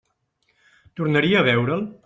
Tornaria a veure'l!